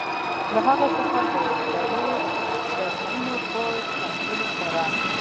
له هغه څخه د زړو ګردونو په څنډلو سره.